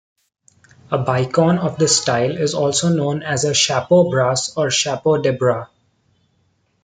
A bicorne of this style is also known as a "chapeau-bras" or "chapeau-de-bras".